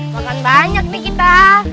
makan banyak nih kita